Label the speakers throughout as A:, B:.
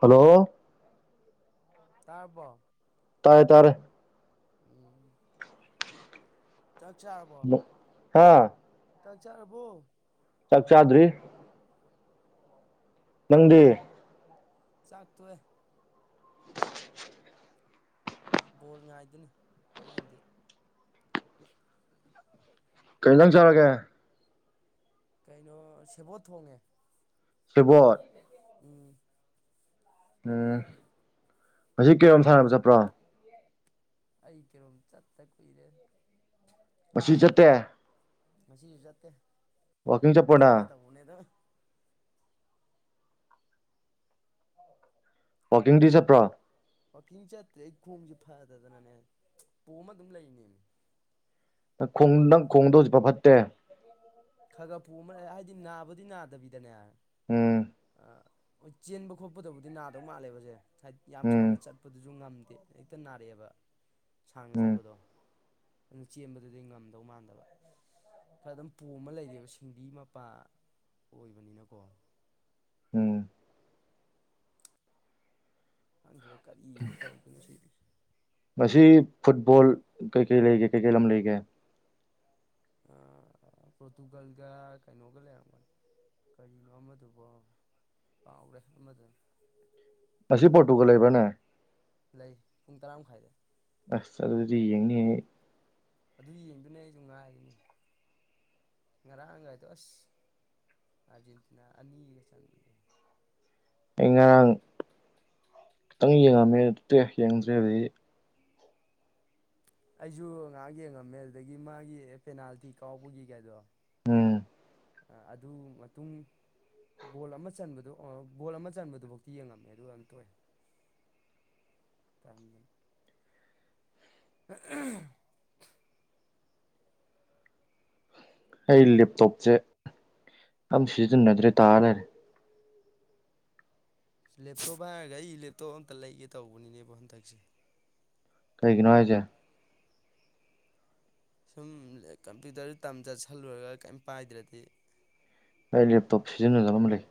A: Hello
B: ꯇꯥꯔꯕ
A: ꯇꯔꯦ ꯇꯥꯔꯦ
B: ꯎꯝ ꯆꯥꯛ ꯆꯥꯔꯕꯣ
A: ꯍꯥ
B: ꯇꯛ ꯆꯔꯦꯕꯣ
A: ꯆꯆꯥꯗ꯭ꯔꯤ ꯅꯪꯗꯤ
B: ꯆꯥꯛꯇꯋꯦ
A: [unintelligible]
B: ꯣꯜꯅ ꯏꯗꯨꯅꯤ ꯄꯗꯤ
A: ꯀꯩ ꯂꯝꯪ ꯆꯠꯂꯒꯦ
B: ꯀꯩꯅꯣ ꯁꯦꯕꯣꯠ ꯊꯣꯡꯉꯦ
A: ꯁꯕꯠ
B: ꯎꯝ
A: ꯎꯝ ꯃꯁꯤ ꯀꯩꯅꯣꯝ ꯁꯥꯟꯅꯕ ꯆꯠꯄ꯭ꯔꯣ
B: ꯑꯩ ꯀꯔꯣꯝ ꯆꯠꯇ ꯀꯨꯏꯔꯦ
A: ꯃꯁꯤ ꯆꯠꯇꯦ
B: ꯉꯁꯤꯖꯦ
A: ꯋꯥꯛꯀꯤꯡ ꯆꯠꯄ꯭ꯔꯣ
B: ꯆꯠꯀꯦ
A: ꯅꯪ
B: ꯇ ꯍꯅꯦꯗ
A: ꯋꯥꯀꯤꯡꯗꯤ ꯆꯠꯄ꯭ꯔꯣ
B: ꯋꯥꯋꯥꯛꯀꯤꯡ ꯆꯠꯇ꯭ꯔꯦ ꯑꯩ ꯈꯣꯡꯁꯦ ꯐꯗꯗꯅꯅꯦ ꯄꯣꯝꯃ ꯑꯗꯨꯝ ꯂꯩꯅꯦ
A: ꯅꯪ ꯈꯣꯡ ꯅꯪ ꯈꯣꯡꯗꯣꯁꯤꯄ ꯐꯠꯇꯦ
B: ꯈꯒ ꯎꯨ ꯑꯃ ꯍꯥꯏꯗꯤ ꯅꯥꯕꯨꯗꯤ ꯅꯥꯗꯕꯤꯗꯅꯦ
A: ꯎꯝ
B: ꯍꯣꯏ ꯆꯦꯟꯕ ꯈꯣꯠꯄꯗꯕꯨꯗꯤ ꯅꯥꯗꯧ ꯃꯥꯜꯂꯦꯕꯁꯦ ꯍꯥꯏꯗꯤ ꯌꯥꯝ
A: ꯎꯝ
B: ꯁꯥꯡꯅ ꯆꯠꯄꯗꯨꯁꯨ ꯉꯝꯗꯦ ꯍꯦꯛꯇ ꯅꯥꯔꯛꯑꯦꯕ ꯁꯥꯡꯅ
A: ꯎꯝ
B: ꯆꯠꯄꯗꯣ ꯆꯦꯟꯕꯗꯗꯤ ꯉꯝꯗꯧ ꯃꯥꯟꯗꯕ ꯀ ꯑꯗꯨꯝ ꯎꯄꯣꯝ ꯑꯃ ꯂꯩꯔꯤꯕ ꯁꯤꯡꯗꯤ ꯃꯄꯥ ꯑꯣꯏꯕꯅꯤꯅꯀꯣ
A: ꯎꯝ
B: ꯍꯪ ꯀꯔꯤ ꯇꯧꯒꯅ ꯁꯤ
A: ꯉꯁꯤ ꯐꯨꯠꯕꯣꯜ ꯀꯩ ꯀꯩ ꯂꯩꯒꯦ ꯀꯩꯀꯩ ꯂꯝ ꯂꯩꯒꯦ
B: ꯄꯣꯔꯇꯨꯒꯜꯒ ꯀꯩꯅꯣꯒ ꯂꯩꯔꯝꯒꯅꯤ ꯀꯔꯤꯅꯣ ꯑꯃꯗꯨꯕꯣ ꯀꯥꯎꯔꯦ ꯑꯃꯗꯅ
A: ꯑꯁꯤ ꯄꯣꯔꯇꯨꯒꯜ ꯂꯩꯕ꯭ꯔꯅꯦ
B: ꯂꯩ ꯄꯨꯡ ꯇꯔꯥ ꯃꯈꯥꯏꯗ
A: ꯑꯁ ꯆ ꯑꯗꯨꯗꯤ ꯌꯦꯡꯅꯤ
B: ꯑꯗꯨ ꯌꯦꯡꯗꯨꯅ ꯑꯩꯁꯨ ꯉꯥꯏꯔꯤꯅꯤ ꯉꯔꯥꯡꯉꯥꯏꯗꯣ ꯑꯁ ꯑꯥꯔꯖꯦꯟꯇꯤꯅꯥ ꯑꯅꯤꯒ ꯆꯟꯒꯦ
A: ꯑꯩ ꯉꯔꯥꯡ ꯈꯤꯇꯪ ꯌꯦꯡꯉꯝꯃꯦ ꯌꯦꯡꯗ꯭ꯦ ꯍꯧꯗꯤ
B: ꯑꯩꯁꯨ ꯉꯍꯥꯛ ꯌꯦꯡꯉꯝꯃꯦ ꯑꯗꯨꯗꯒꯤ ꯃꯥꯒꯤ ꯄꯦꯅꯥꯜꯇꯤ ꯀꯥꯎꯕꯒꯤ ꯀꯥꯏꯗꯣ
A: ꯑꯝ
B: ꯑꯗꯨ ꯃꯇꯨꯡ ꯒꯣꯜ ꯑꯃ ꯆꯟꯕꯗꯨꯣ ꯒꯣꯜ ꯑꯃ ꯆꯟꯕꯗꯨꯐꯧꯗꯤꯤ ꯌꯦꯡꯉꯝꯃꯦ ꯑꯗꯨ ꯌꯥꯝꯝ ꯇꯑꯦ [unintelligible]
A: ꯑꯩ ꯂꯦꯞꯇꯣꯞꯁꯦ ꯌꯥꯝ ꯁꯤꯖꯤꯟꯅꯗ꯭ꯔꯦ ꯇꯥꯅꯔꯦ
B: ꯂꯦꯞꯇꯣꯞ ꯍꯥꯏꯔꯒ ꯑꯩ ꯂꯦꯞꯇꯣꯞ ꯑꯝꯇ ꯂꯩꯒꯦ ꯇꯧꯕꯅꯤꯅꯦꯕ ꯍꯟꯗꯛꯁꯦ
A: ꯀꯩꯒꯤꯅꯣ ꯍꯥꯏꯁꯦ
B: ꯁꯨꯝ ꯀꯝꯄ꯭ꯌꯨꯇꯔ ꯇꯝ ꯆꯠꯁꯜꯂꯨꯔꯒ ꯀꯩꯝ ꯄꯥꯏꯗ꯭ꯔꯗꯤ
A: ꯑꯩ ꯂꯦꯞꯇꯣꯞ ꯁꯤꯖꯤꯟꯅꯖꯂꯝꯕ ꯂꯩ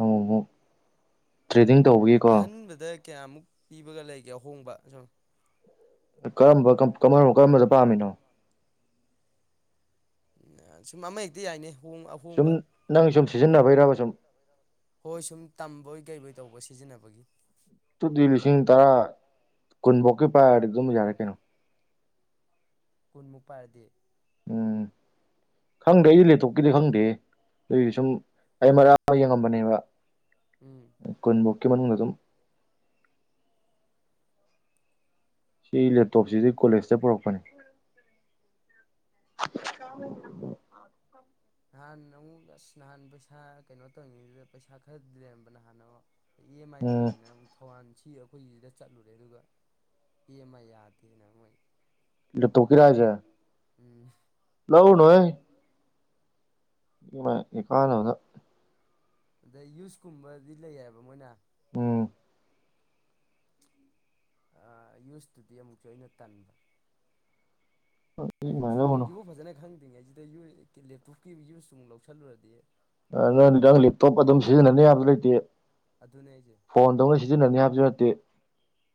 A: ꯑꯣ ꯇ꯭ꯔꯦꯗꯤ ꯇꯧꯢꯀꯣ
B: ꯑꯍꯟꯕꯗ ꯀꯌꯥꯃꯨꯛ ꯄꯤꯕꯒ ꯂꯩꯒꯦ ꯑꯍꯣꯡꯕ ꯁꯨꯝ
A: ꯀꯔꯝꯕꯝꯕ ꯀꯔꯝꯕꯗ ꯄꯥꯝꯃꯤꯅꯣ
B: ꯁꯨꯝ ꯑꯃ ꯍꯦꯛꯇꯤ ꯌꯥꯏꯅꯤ
A: ꯁꯨꯝ ꯅꯪ ꯁꯨꯝ ꯁꯤꯖꯤꯟꯅꯕꯩꯔꯕ ꯁꯨꯝ
B: ꯍꯣꯏ ꯁꯨꯝ ꯇꯝꯕꯣꯏ ꯀꯩꯕꯣꯏ ꯇꯧꯕ ꯁꯤꯖꯤꯟꯅꯕꯒꯤ
A: ꯇꯨꯤ ꯂꯤꯁꯤꯡ ꯇꯔꯥ ꯀꯨꯟꯐꯧꯀꯤ ꯄꯥꯏꯔꯗꯤ ꯑꯗꯨꯝ ꯌꯥꯔꯦ ꯀꯩꯅꯣ
B: ꯀꯨꯟꯃꯨꯛ ꯄꯥꯏꯔꯗꯤ
A: ꯎꯝ ꯈꯪꯗꯦ ꯑꯩꯗꯤ ꯂꯦꯇꯣꯛꯞꯀꯤꯗꯤ ꯈꯪꯗꯦ ꯑꯗꯨꯗꯤ ꯁꯨꯝ ꯑꯩ ꯃꯔꯥ ꯑꯃ ꯌꯦꯡꯉꯝꯕꯅꯦꯕ
B: ꯎꯝ
A: ꯀꯨꯟꯐꯧꯀꯤ ꯃꯅꯨꯡꯗ ꯑꯗꯨ ꯁꯤ ꯂꯦꯞꯇꯣꯞꯁꯤꯗꯤ ꯀꯣꯂꯦꯖꯇ ꯄꯨꯔꯛꯄꯅꯦ
B: ꯅꯍꯥꯟ ꯑꯃꯨꯛ ꯑꯁ ꯅꯍꯥꯟ ꯄꯩꯁꯥ ꯀꯩꯅꯣ ꯇꯧꯅꯤꯡꯉꯤꯗꯨꯗ ꯄꯩꯁꯥ ꯈꯔꯗꯤ ꯂꯩꯔꯝꯕ ꯅꯍꯥꯟꯅ ꯑꯃ ꯏ ꯑꯦꯝ ꯑꯥꯏ
A: ꯎꯝ
B: ꯇꯧꯒꯦꯅ ꯑꯃꯨꯛ ꯊꯧꯋꯥꯟ ꯁꯤ ꯑꯩꯈꯣꯏꯒꯤꯁꯤꯗ ꯆꯠꯂꯨꯔꯦ ꯑꯗꯨꯒ ꯄꯃ ꯌꯥꯗꯦꯅ ꯃꯣꯏ
A: ꯂꯦꯞꯇꯣꯞ ꯀꯤꯔꯥ ꯍꯥꯢꯁꯦ
B: ꯎꯝ
A: ꯂꯧꯎꯅꯣꯣꯏ ꯏꯃ ꯀꯥꯥꯟꯅꯕꯅꯕꯗ
B: ꯑꯗ ꯌꯨꯁꯀꯨꯝꯕꯗꯤ ꯂꯩꯌꯦꯕ ꯃꯣꯏꯅ
A: ꯎꯝ
B: ꯌꯨꯁꯇꯨꯗꯤ ꯑꯃꯨꯛꯁꯨ ꯑꯩꯅ ꯇꯟꯕ ꯍꯥꯏꯗꯤ
A: ꯏꯃꯥꯏ ꯂꯧꯔꯨꯅꯨ
B: ꯐꯣꯟꯁꯤꯕꯨ ꯐꯖꯅ ꯈꯪ ꯀꯉꯩꯁꯤꯗ ꯂꯦꯞꯇꯣꯞꯀꯤ ꯌꯨꯁꯇꯨꯛ ꯂꯧꯁꯜꯂꯨꯔꯗꯤ
A: ꯅꯪꯗꯤ ꯅꯪ ꯂꯦꯞꯇꯣꯞ ꯑꯗꯨꯝ ꯁꯤꯖꯤꯟꯅꯅꯤ ꯌꯥꯝꯁꯨ ꯂꯩꯇꯦ
B: ꯑꯗꯨꯅꯦ ꯑꯩꯁꯦ
A: ꯐꯣꯟꯗꯧꯅ ꯁꯤꯖꯤꯟꯅꯅꯤ ꯍꯥꯏꯕꯁꯨ ꯅꯠꯇꯦ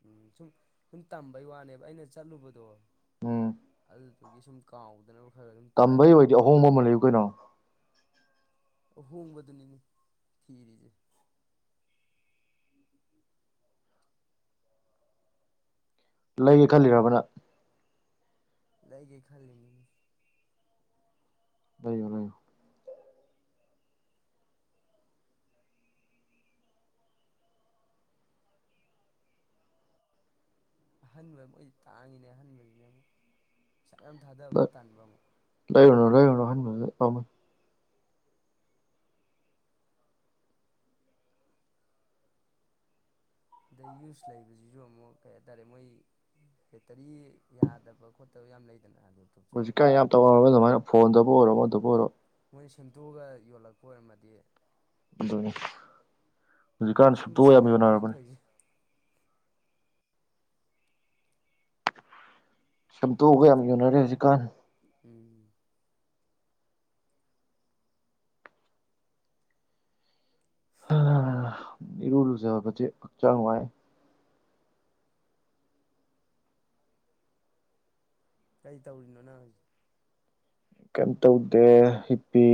B: ꯎꯝ ꯁꯨꯝ ꯁꯨꯝ ꯇꯝꯕꯩ ꯋꯥꯅꯦꯕ ꯑꯩꯅ ꯆꯠꯂꯨꯕꯗꯣ
A: ꯎꯝ
B: ꯑꯗꯨꯒꯤ ꯁꯨꯝ ꯀꯥꯎꯗꯅ
A: ꯇꯝꯕꯩ ꯑꯣꯏꯗꯤ ꯑꯍꯣꯡꯕ ꯑꯃ ꯂꯩꯌꯨ ꯀꯩꯅꯣ
B: ꯍꯣꯡꯣꯡꯕꯗꯅꯤꯅꯤ ꯈꯔꯤꯖ
A: ꯂꯩꯒꯦ ꯈꯜꯂꯤꯔꯕ ꯅꯪ
B: ꯂꯩꯒ ꯈꯜ
A: ꯂꯩꯌꯣ ꯂꯩꯌꯣ
B: ꯑꯍꯟꯕ ꯃꯣꯏꯗꯤ ꯇꯥꯡꯉꯤꯅꯦ ꯑꯍꯟꯕꯁꯤꯅꯦ ꯑꯃꯨꯛ ꯄꯩꯁꯥ ꯃꯌꯥꯝ ꯊꯥꯗꯕꯗ ꯇꯟꯕ ꯑꯃꯨꯛ
A: ꯅꯣꯗꯥꯅꯣ
B: ꯑꯗꯩ ꯌꯨꯁ ꯂꯩꯕꯁꯤꯁꯨ ꯑꯃꯨꯛ ꯀꯩ ꯍꯥꯏꯇꯥꯔꯦ ꯃꯣꯏ ꯕꯦꯇꯔꯤ ꯌꯥꯗꯕ ꯈꯣꯠꯇꯕ ꯌꯥꯝ ꯂꯩꯇ
A: ꯍꯧꯖꯤꯛꯀꯥꯟ ꯌꯥꯝ ꯇꯧꯅꯔꯝꯅꯦ ꯑꯗꯨꯃꯥꯏꯅ ꯐꯣꯟꯗꯕꯨ ꯑꯣꯏꯔꯣ ꯑꯃꯗꯕꯨ ꯑꯣꯏꯔꯣ
B: ꯇꯨꯒ ꯌꯣꯜꯂꯛꯄ ꯑꯣꯏꯔꯝꯃꯗꯤ
A: ꯑꯗꯨꯅꯤ ꯍꯧꯖꯤꯛꯀꯥꯟ
B: ꯏꯆꯤꯡꯗ
A: ꯁꯞꯇꯣ ꯌꯥꯝ
B: ꯆꯤꯡꯅꯕꯤꯅꯦ ꯑꯩꯅ
A: ꯌꯣꯅꯔꯕꯅꯤ
B: ꯇꯧꯔꯤꯁꯦ
A: ꯁꯦꯝꯇꯣꯒꯥ ꯌꯥꯝ ꯌꯣꯅꯔꯦ ꯍꯧꯖꯤꯛꯀꯥꯟ꯫
B: ꯎꯝ
A: ꯍꯥ ꯏꯔꯨ ꯂꯨꯖꯕꯥꯖꯤ ꯍꯛꯆꯥꯡ ꯅꯨꯡꯉꯥꯏ꯫
B: ꯀꯩ ꯇꯧꯔꯤꯅꯣ ꯅꯪ?
A: ꯀꯩꯝ ꯇꯧꯗꯦ ꯍꯤꯞꯄꯤ꯫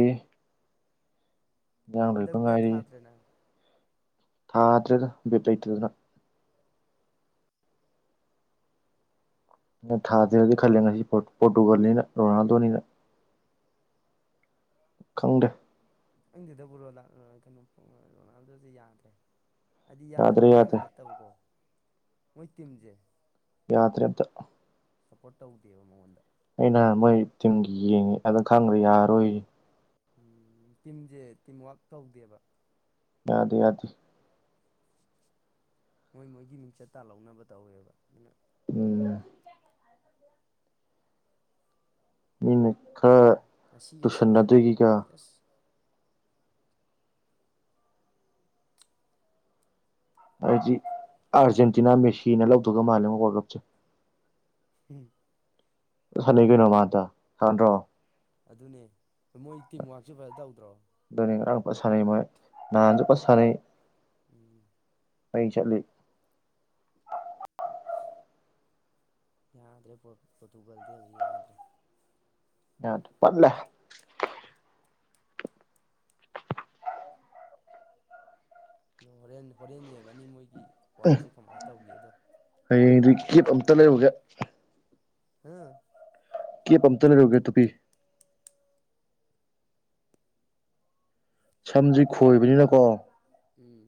B: ꯍꯟꯗꯛ
A: [unintelligible]
B: ꯕꯦꯠ
A: ꯉꯥꯏꯔꯤ
B: ꯊꯥꯗ꯭ꯔꯦ ꯅꯪ
A: ꯊꯥꯗ꯭ꯔꯦꯗ ꯚꯤꯠ ꯂꯩꯇꯗꯅ꯫ ꯅ ꯊꯥꯗꯔꯗꯤ ꯈꯜꯂꯦ ꯉꯁꯤ ꯄꯣꯔꯇꯨꯒꯜꯅꯤꯅ ꯔꯣꯅꯥꯜꯗꯣꯅꯤꯅ ꯈꯪꯗꯦ
B: [unintelligible] ꯑꯗꯨꯗꯤ ꯌꯥꯗ꯭ꯔꯦ ꯍꯥꯏꯗꯤ ꯌꯥꯗꯕ
A: ꯌꯥꯗ꯭ꯔꯦ
B: ꯃꯥꯅ
A: ꯌꯥꯗ꯭ꯔꯦ
B: ꯅꯠꯇꯕꯀꯣ ꯃꯣꯏ ꯇꯤꯝꯖꯦ
A: ꯌꯥꯗꯔꯦ ꯑꯝꯇꯥ ꯫
B: ꯁꯞꯄꯣꯔꯠ ꯇꯧꯗꯦꯕ ꯃꯉꯣꯟꯗ
A: ꯑꯩꯅ ꯃꯣꯏ ꯇꯤꯝꯒꯤ ꯌꯦꯡꯉꯤ ꯑꯗꯨ ꯈꯪꯒꯔꯦꯌꯥꯔꯣꯏꯖꯦ ꯫
B: ꯎꯝ ꯇꯤꯝꯖꯦ ꯇꯤꯝꯋꯥꯛ ꯇꯧꯗꯦꯕ꯫
A: ꯌꯥꯗꯦ - ꯌꯥꯗꯤ꯫
B: ꯃꯣꯏ ꯃꯣꯏꯒꯤ ꯃꯤꯡꯆꯠ ꯇꯥꯜꯍꯧꯅꯕ ꯇꯧꯋꯦꯕ ꯑꯗꯨꯅ
A: ꯎꯝ ꯃꯤꯅ ꯈꯔ
B: ꯎ ꯉꯁꯤꯒ ꯁꯣꯏꯔꯗꯤꯕ
A: ꯇꯨꯁꯟꯅꯗꯣꯏꯒꯤꯒ
B: ꯃꯥꯗꯤ ꯑꯁ!
A: ꯑꯩꯗꯤ ꯑꯥꯔꯖꯦꯟꯇꯤꯅꯥ ꯃꯦꯁꯤꯅ ꯂꯧꯗꯨꯒ ꯃꯥꯜꯂꯦ ꯋꯥꯔꯜ ꯀꯞꯁꯦ꯫
B: ꯎꯝ꯫
A: [unintelligible]
B: ꯑꯗꯨꯅꯦ ꯃꯣꯏ ꯇꯤꯝꯋꯔꯛꯁꯨ ꯐꯖ ꯇꯧꯗ꯭ꯔꯣ꯫
A: ꯑꯗꯨ ꯉꯔꯥꯡ ꯐꯩ ꯁꯥꯅꯩ ꯃ ꯅꯥꯥꯍꯥꯟꯖꯨ ꯐ ꯁꯥꯅꯩ꯫
B: ꯎꯝ
A: ꯃꯩ ꯆꯠꯂꯤ
B: ꯌꯥꯗ꯭ꯔꯦ ꯄꯣꯔꯇꯨꯒꯜꯗꯤ ꯍꯧꯖꯤꯛ ꯌꯥꯗ꯭ꯔꯦ꯫
A: ꯌꯥꯗꯦ ꯄꯠꯂꯦ ꯫
B: ꯑꯣ ꯍꯣꯔꯦꯟ ꯍꯣꯔꯦꯟ ꯌꯦꯡꯉꯅꯤ ꯃꯣꯏꯒꯤ ꯋꯥꯛꯁꯦ ꯀꯃꯥꯏꯅ ꯇꯧꯒꯦꯗꯣ
A: ꯍꯌꯦꯡꯗꯤ
B: ꯑꯗꯨꯒ
A: ꯀꯦꯞ ꯑꯝꯇ
B: ꯈꯪꯉꯅꯤ
A: ꯂꯩꯔꯨꯒꯦ꯫
B: [unintelligible]
A: ꯄꯝꯇ ꯂꯩꯔꯨꯒꯦ ꯇꯨꯄꯤ ꯁꯝꯖꯤ ꯈꯣꯏꯕꯅꯤꯅꯀꯣ
B: ꯎꯝ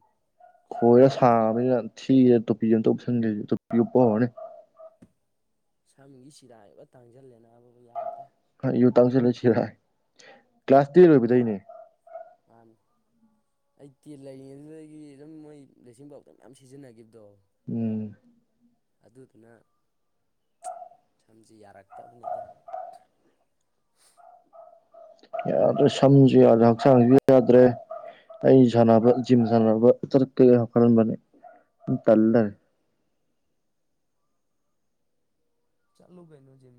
A: ꯈꯣꯏꯔ ꯁꯥꯡ ꯕꯅꯤꯅꯥ ꯊꯤ ꯔꯦ ꯇꯨꯞꯄꯤ ꯑꯝꯇ ꯎꯞꯁꯟ ꯒꯦ ꯇꯨꯄꯤ ꯎꯞꯄ ꯍꯧꯔꯅꯤ
B: ꯁꯝꯒꯤ ꯆꯤꯔꯥꯏꯒ ꯂꯣꯢ ꯇꯥꯡꯖꯜꯂꯦ [unintelligible] ꯌꯥꯗ꯭ꯔꯦ꯫
A: ꯑꯩꯖꯨ ꯇꯥꯡꯁꯤꯜ ꯂꯦ ꯆꯤꯔꯥꯏ ꯀ꯭ꯂꯥꯁ ꯇꯦꯟ ꯂꯣꯏꯕꯗꯩꯅꯦ꯫
B: ꯃꯥꯅꯤ ꯑꯩ ꯇꯦꯟ ꯂꯩꯔꯤꯉꯩꯗꯨꯗꯒꯤ ꯑꯗꯨꯝ ꯃꯣꯏ ꯕꯂꯦꯁꯤꯡ ꯄꯥꯎꯗꯔ ꯃꯌꯥꯝ ꯁꯤꯖꯤꯟꯅꯈꯤꯕꯗꯣ
A: ꯎꯝ
B: ꯑꯗꯨꯗꯨꯅ ꯁꯝꯁꯤ ꯌꯥꯔꯛꯇꯕꯅꯤꯗ
A: ꯌꯥꯗ꯭ꯔꯦ ꯁꯝꯁꯨ ꯌꯥꯗ꯭ꯔꯦ ꯍꯛꯆꯥꯡꯁꯨ ꯌꯥꯗ꯭ꯔꯦ ꯑꯩ ꯁꯥꯟꯅꯕ ꯖꯤꯝ ꯁꯥꯟꯅꯕ ꯆꯠꯀꯦ ꯍꯥꯏ ꯈꯜꯂꯝꯕꯅꯦ ꯇꯜꯂꯩꯔꯦ
B: ꯆꯠꯂꯣ ꯀꯩꯅꯣ ꯖꯤꯝ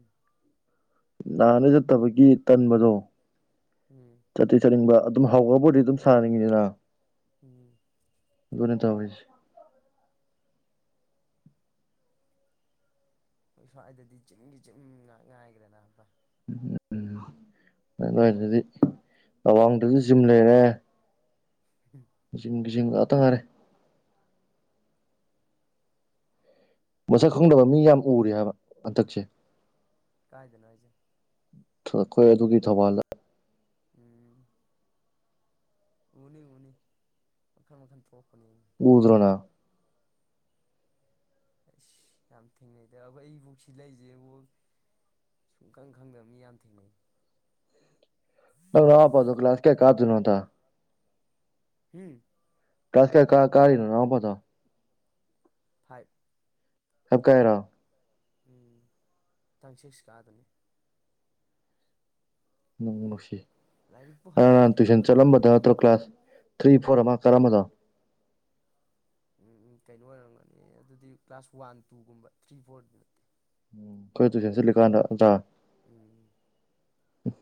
A: ꯅꯥꯍꯥꯟꯅ ꯆꯠꯇꯕꯒꯤ ꯇꯟꯕꯗꯣ꯫
B: ꯎꯝ
A: ꯆꯇꯤ ꯆꯅꯤꯡꯕ ꯑꯗꯨꯝ ꯍꯧꯔꯕꯨꯗꯤ ꯑꯗꯨꯝ ꯁꯥꯅꯅꯤꯡꯏꯗꯅ꯫
B: ꯎꯝ
A: ꯑꯗꯨꯅꯦ ꯇꯧꯔꯤꯁꯤ꯫
B: ꯏ ꯁ꯭ꯋꯥꯏꯗꯗꯤ ꯖꯤꯝꯒꯤ ꯖꯤꯝ ꯉꯥꯛ ꯉꯥꯏꯒ꯭ꯔꯦ ꯅꯕ
A: ꯎꯝꯝ ꯅꫭꯏꯗꯨꯗꯤ ꯑꯋꯥꯡꯗꯁꯨ ꯖꯤꯝ ꯂꯩꯔꯦ꯫ ꯖꯤꯝꯒꯤ ꯖꯤꯝ ꯉꯥꯛꯇ ꯉꯥꯏꯔꯦ꯫ ꯃꯁꯛ ꯈꯪꯗꯕ ꯃꯤ ꯌꯥꯝ ꯎꯔꯦ ꯍꯥꯏꯕ ꯍꯟꯗꯛꯁꯦ꯫
B: ꯀꯥꯏꯗꯅꯖꯦ
A: ꯆꯧꯋꯥꯜꯗ
B: ꯎꯝ ꯎꯅꯤ-ꯎꯅꯤ ꯃꯈꯟ-ꯃꯈꯟ ꯊꯣꯛꯄꯅꯦ꯫
A: ꯎꯗ꯭ꯔꯣ ꯅꯪ꯫
B: ꯑꯁ ꯌꯥꯝ ꯊꯦꯡꯅꯩꯗꯕ ꯑꯩꯕꯨꯛꯁꯤ ꯂꯩꯏꯁꯦꯕꯨꯛ ꯁꯨꯡꯈꯪ ꯈꯪꯗꯕ ꯃꯤ ꯌꯥꯝ ꯊꯦꯡꯅꯩ
A: ꯑ ꯂ ꯄ ꯑꯗꯨ ꯀ꯭ꯂꯥꯁ ꯀꯌ ꯀꯥꯗꯨꯅꯣꯇ
B: ꯎꯝ [unintelligible]
A: ꯀꯥꯏ ꯀꯥꯔꯤꯅꯣ ꯅꯅꯥꯎꯄꯥꯗꯣ꯫
B: ꯐꯥꯏꯚ꯫
A: ꯍ [unintelligible] ꯀꯥꯏꯔꯣ
B: ꯎꯝ ꯊꯪ ꯁꯤꯛꯁ ꯀꯥꯗꫭꯏꯅꯦ꯫
A: ꯅꯨꯡꯕꯄ ꯅꯨꯁꯤ
B: ꯂꯥꯏꯔꯤꯛꯄꯨ ꯍꯩꯇꯦꯗ ꯑꯩꯕꯨ ꯇꯧꯔꯤꯁꯦ꯫
A: ꯅꯠꯇ꯭ꯔꯣ ꯀ꯭ꯂꯥꯁ ꯊ꯭ꯔꯤ ꯐꯣꯔꯔ ꯃꯥ ꯀꯔꯝꯕꯅꫭ꯫
B: ꯎꯝ ꯀꯩꯅꯣ ꯑꯣꯏꯔꯝꯒꯅꯤ ꯑꯗꯨꯗꯤ ꯀ꯭ꯂꯥꯁ ꯋꯥꯟ ꯇꯨꯒꯨꯝꯕ ꯊ꯭ꯔꯤ ꯐꯣꯔꯗꯨ ꯅꯠꯇꯦ꯫
A: ꯎꯝ ꯈꯣꯏ ꯇꯨꯏꯁꯟ ꯆꯠꯂꯀꯥꯟꯗ ꯑꫭꯖꯥ
B: ꯎꯝ
A: ꯎ [inaudible]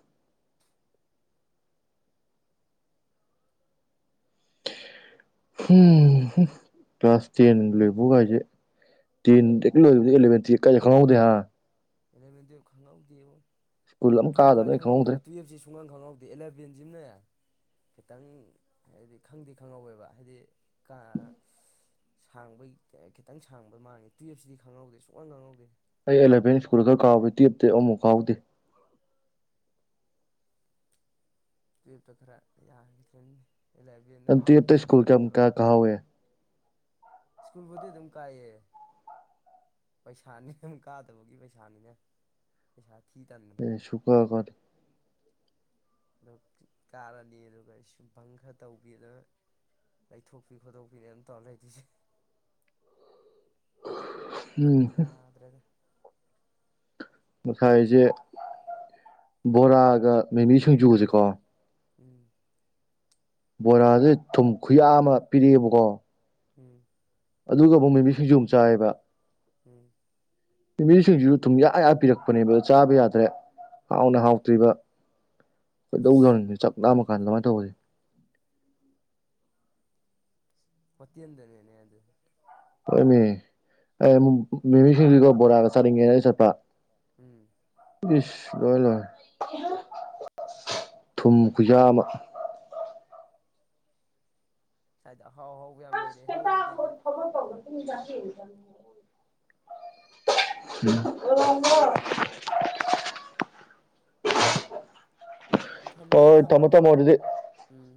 A: [unintelligible] ꯀ꯭ꯂꯥꯁ ꯇꯦꯟ ꯂꯣꯕꯒꯥꯏꯖꯦ ꯇꯦꯟ ꯂꯦꯛ ꯂꯣꯏꯕꯗꯒꯤ ꯑꯦꯂꫭꯕꯦꯟ ꯇꯨꯋꯦꯞ ꯀꯥꯏꯖꯦ ꯈꯪꯍꯧ ꯗꯦ ꯍꯥ꯫
B: ꯑꯦꯂꯕꯦꯟ ꯇꯨꯋꯞ ꯈꯪꯍꯧꯗꯦꯕꯣ
A: ꯁ꯭ꯀꯨꯜ ꯑꯃ
B: ꯑꯩꯅ ꯈ꯭ꯋꯥꯏ
A: ꯀꯥꯗꯕꯅꯦ ꯑꯩ ꯈꯪꯍꯧꯗ꯭ꯔꯦ
B: ꯈꯪꯍꯧꯗꯕ ꯇꯨꯌꯦꯞꯁꯦ ꯁꯨꯡꯈꯪ ꯈꯪꯍꯧꯗꯦ ꯑꯦꯂꯦꯚꯦꯟ ꯖꯤꯅꯦ ꯈꯤꯇꯪ ꯍꯥꯏꯗꯤ ꯈꯪꯗꯤ ꯈꯪꯍꯧꯋꯦꯕ ꯍꯥꯏꯗꯤ ꯀꯥ [unintelligible] ꯁꯥꯡꯕꯩ ꯈꯤꯇꯪ ꯁꯥꯡꯕ ꯃꯥꯡꯉꯦ ꯇꯨꯋꯦꯞꯁꯤꯗꯤ ꯈꯪꯍꯧꯗꯦ ꯁꯨꯛꯈꯪ ꯈꯪꯍꯧꯗꯦ
A: ꯑꯩ ꯑꯦꯂꫭꯚꯦꯟ ꯁ꯭ꯀꯨꯜ ꯈꯔ ꯀꯥꯍꯧꯏ ꯇꯨꯌꯦꯞꯇꯤ ꯑꯃꯨꯛ ꯀꯥꯍꯧꯗꯦ꯫
B: ꯇꯨꯋꯦꯞꯇ ꯈꯔ ꯌꯥꯒꯤꯗꯔꯦꯅꯦ꯫
A: ꯇꯨꯋꯦꯞꯇ ꯁꯀꯨꯜ ꯀꯌꯥꯃꯨꯛ ꯀꯌꯥ ꯀꯥ ꯍꯧꯏ
B: ꯁ꯭ꯀꯨꯜꯕꯨꯗꯤ ꯑꯗꯨꯝ ꯀꯥꯏꯌꯦ ꯄꯩꯁꯥꯅꯤ ꯑꯗꯨꯝ ꯀꯥꯗꯕꯒꯤ ꯄꯩꯁꯥꯅꯤꯅ ꯄꯩꯁꯥ ꯊꯤ ꯇꯟꯕꯅꯦ
A: ꯑꯩ ꯁꯨꯛꯄꯥ ꯄꯥꯗꯦ꯫
B: ꯑ ꯀꯥꯔꯅꯤ ꯑꯗꯨꯒ ꯑꯩ ꯁꯨꯝ ꯕꯪ ꯈꯔ ꯇꯧꯕꯤꯗ ꯂꯩꯊꯣꯛꯄꯤ ꯈꯣꯠꯇꯣꯛꯄꯤꯅꯦ ꯇꯧꯔ ꯂꯩꯗꯨꯏꯁꯦ꯫
A: ꯎꯝ
B: ꯑꯗꯨꯅ ꯌꯥꯗ꯭ꯔꯦꯗ꯫
A: ꯉꯁꯥꯏꯁꯦ ꯕꯣꯔꯥꯒ ꯃꯩꯃꯤ ꯁꯤꯡꯖꯨꯁꯦꯀꯣ
B: ꯎꯝ
A: ꯕꯣꯔꯥꯁꯦ ꯊꯨꯝ ꯈꯨꯌꯥ ꯑꯃ ꯄꯤꯔꯛꯑꯦꯕꯀꯣ
B: ꯎꯝ
A: ꯑꯗꯨꯒ ꯑꯃꯨꯛ ꯃꯃꯤ ꯁꯤꯡꯖꯣ ꯑꯃ ꯆꯥꯏꯕ
B: ꯎꯝ
A: ꯅꯨꯕꯤꯁꯤꯡꯁꯤꯁꯨ ꯊꯨꯝꯌꯥꯌꯥ ꯄꯤꯔꯛꯄꯅꯦꯕ ꯆꯥꯕ ꯌꯥꯗ꯭ꯔꯦ ꯍꯥꯎꯅ ꯍꯥꯎꯇ꯭ꯔꯤꯕ ꯀꯣꯏꯗꯧ
B: ꯑꯁ
A: ꯌꯧꯔꯅꯤꯦ ꯆꯥꯛꯅꯥꯝꯃ ꯀꯥꯟꯗ ꯑꯗꯨꯃꯥꯏꯅ ꯇꯧꯕꯅꯤ
B: ꯐꯠꯇꯤꯗꯅꯦꯅꯦ ꯑꯗꯨ
A: ꯍꯃꯦ ꯑꯦ ꯃꯤꯃꯤꯁꯤꯡꯁꯤꯒ ꯕꯣꯔꯥꯒ ꯆꯠꯅꯤꯡꯉꯦꯅ ꯆꯠꯄ
B: ꯎꯝ
A: ꯏꯁ ꯂꯣꯏ ꯂꯣꯏ ꯊꯨꯝ ꯈꯨꯌꯥꯕ
B: ꯍꯥꯏꯗ ꯍꯥꯎ ꯍꯥꯎ ꯎ ꯌꯥꯝ ꯂꯩꯔꯦ ꯍꯣꯏ ꯑꯗꯨꯏꯗꯤ
A: [unintelligible]
B: ꯎꯝ ꯊꯝꯃꯒꯦ
A: ꯍꯣꯏ ꯊꯝꯃꯣ
B: ꯊꯝꯃꯒꯦ
A: ꯊꯝꯃꯣ ꯑꯗꯨꯗꯤ
B: ꯎꯝ